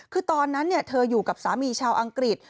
คือตอนนั้นเธออยู่กับสามีชาวอังกฤษ